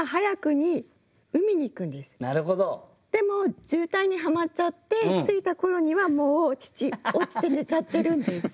でも渋滞にはまっちゃって着いた頃にはもう父落ちて寝ちゃってるんです。